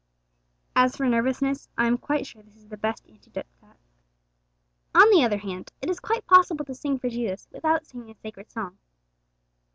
As for nervousness, I am quite sure this is the best antidote to that. On the other hand, it is quite possible to sing for Jesus without singing a sacred song.